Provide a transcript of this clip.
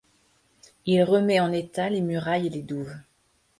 Il remet en état les murailles et les douves.